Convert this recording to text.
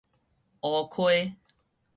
烏溪